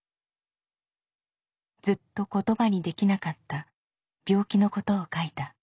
ずっと言葉にできなかった病気のことを書いた。